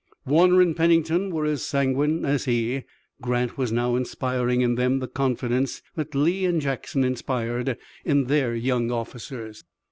Warner and Pennington were as sanguine as he. Grant was now inspiring in them the confidence that Lee and Jackson inspired in their young officers.